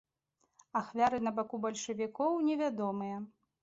Ахвяры на баку бальшавікоў невядомыя.